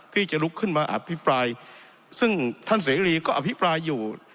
ที่จะลุกขึ้นมาอภิปรายซึ่งท่านเสรีก็อภิปรายอยู่